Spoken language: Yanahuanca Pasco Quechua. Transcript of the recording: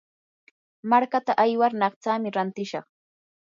markaata aywar naqtsami rantishaq.